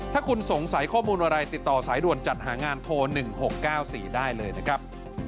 ถ้าคุณสงสัยข้อมูลอะไรติดต่อสายด่วนจัดหางานโทร๑๖๙๔ได้เลยนะครับ